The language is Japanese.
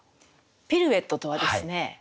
ピルエットとはですね